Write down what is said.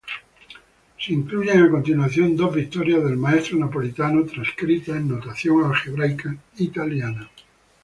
Se incluyen a continuación dos victorias del maestro napolitano transcritas en notación algebraica italiana.